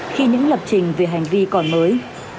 khi những lập trình về hành vi còn mới